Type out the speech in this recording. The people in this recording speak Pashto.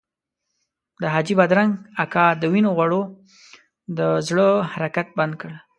د حاجي بادرنګ اکا د وینو غوړو د زړه حرکت بند کړ.